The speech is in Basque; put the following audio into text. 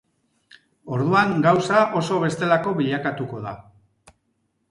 Orduan, gauza oso bestelako bilakatuko da.